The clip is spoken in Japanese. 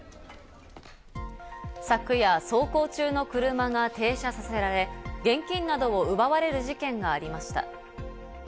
昨夜、走行中の車が停車させられ、現金などを奪われる事件がありました。